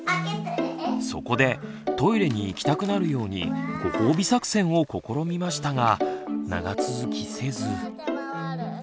そこでトイレに行きたくなるように「ご褒美作戦」を試みましたが長続きせず。